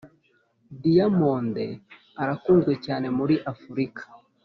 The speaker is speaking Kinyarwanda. Diyamonde arakunzwe cyane muri afurika